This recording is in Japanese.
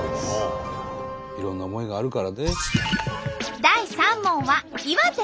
いろんな思いがあるからね。